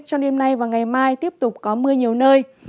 trong đêm nay và ngày mai tiếp tục có mưa nhiều nơi